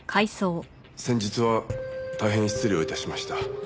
「先日は大変失礼をいたしました」